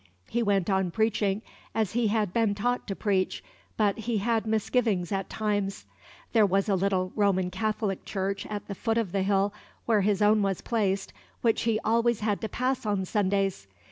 He went on preaching as he had been taught to preach, but he had misgivings at times. There was a little Roman Catholic church at the foot of the hill where his own was placed, which he always had to pass on Sundays.